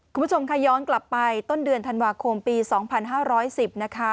คุณผู้ชมค่ะย้อนกลับไปต้นเดือนธันวาคมปีสองพันห้าร้อยสิบนะคะ